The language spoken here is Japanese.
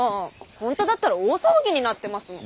ほんとだったら大騒ぎになってますもん。